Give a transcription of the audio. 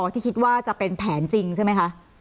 ที่คิดว่าจะเป็นแผนจริงใช่ไหมคะ